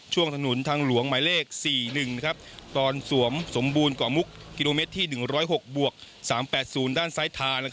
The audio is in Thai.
ถนนทางหลวงหมายเลข๔๑ตอนสวมสมบูรณ์กว่ามุกกิโลเมตรที่๑๐๖บวก๓๘๐ด้านซ้ายทา